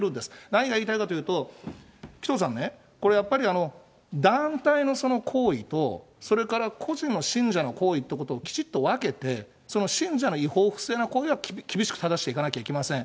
何が言いたいかというと、紀藤さんね、これやっぱりね、団体の行為と、それから個人の信者の行為っていうことをきちっと分けて、その信者の違法、不正な行為は厳しくただしていかなければいけません。